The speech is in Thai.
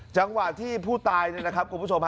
จังหวะที่ผู้ตายเนี่ยนะครับคุณผู้ชม